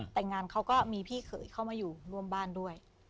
แต่งงานเขาก็มีพี่เขยเข้ามาอยู่ร่วมบ้านด้วย